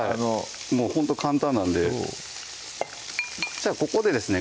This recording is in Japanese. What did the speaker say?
もうほんと簡単なんでそうここでですね